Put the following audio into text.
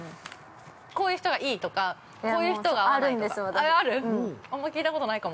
◆こういう人がいいとか、こういう人が合わないとか。